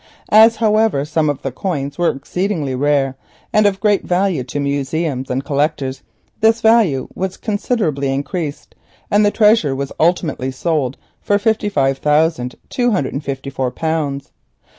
But as some of the coins were exceedingly rare, and of great worth to museums and collectors, this value was considerably increased, and the treasure was ultimately sold for fifty six thousand two hundred and fifty four pounds.